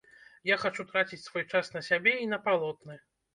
Я хачу траціць свой час на сябе і на палотны.